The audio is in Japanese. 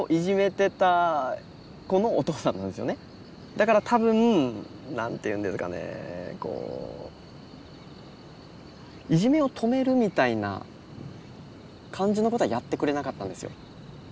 だから多分何て言うんですかねこういじめを止めるみたいな感じのことはやってくれなかったんですよ。